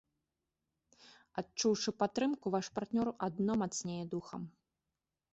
Адчуўшы падтрымку, ваш партнёр адно мацнее духам.